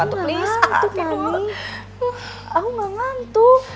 aku gak ngantuk mami aku gak ngantuk